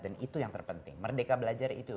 dan itu yang terpenting merdeka belajar itu